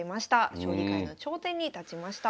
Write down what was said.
将棋界の頂点に立ちました。